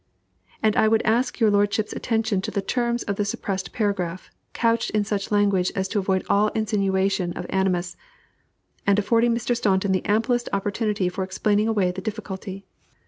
And I would ask your lordship's attention to the terms of the suppressed paragraph, couched in such language as to avoid all insinuation of animus, and affording Mr. Staunton the amplest opportunity for explaining away the difficulty.